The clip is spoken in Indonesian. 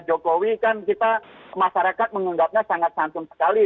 jokowi kan kita masyarakat mengunggapnya sangat santun sekali